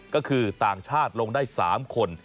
ก็คือต่างชาติลงได้๓คน